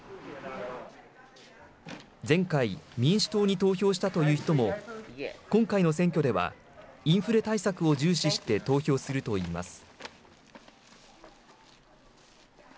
前回、民主党に投票したという人も今回の選挙ではインフレ対策を重視して投票するといいます。